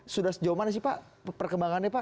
sudah sejauh mana sih pak perkembangannya pak